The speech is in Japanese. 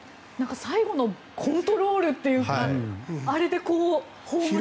最後のコントロールというかあれでホームランに。